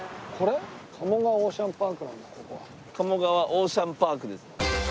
鴨川オーシャンパークです。